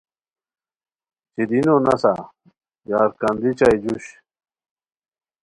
چیدینو نسہ یار کندی چائے جوش